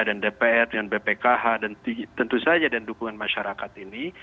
dan dpr dan bpkh dan tentu saja dengan dukungan masyarakat ini